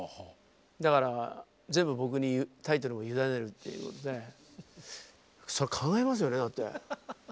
だから全部僕にタイトルを委ねるっていうことでそれ考えますよねだって。